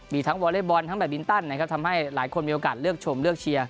มีทั้งวอเล็กบอลทั้งแบตบินตันนะครับทำให้หลายคนมีโอกาสเลือกชมเลือกเชียร์